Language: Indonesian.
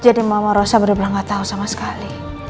jadi mama rosa bener bener ga tau sama sekali